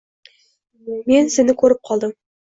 Men seni ko‘rib qoldim.